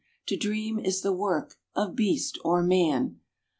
To dream is the work Of beast or man.